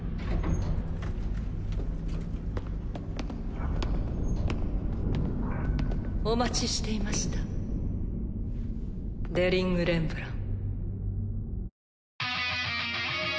ピッお待ちしていましたデリング・レンブラン。